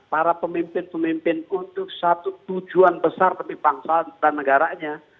para pemimpin pemimpin untuk satu tujuan besar demi bangsa dan negaranya